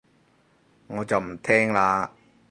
我就唔聽喇